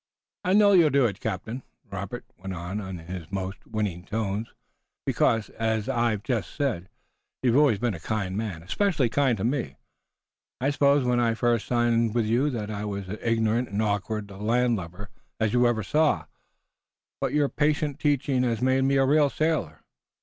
"I know you'll do it, captain," Robert went on in his most winning tones, "because, as I've just said, you've always been a kind man, especially kind to me. I suppose when I first signed with you that I was as ignorant and awkward a land lubber as you ever saw. But your patient teaching has made me a real sailor.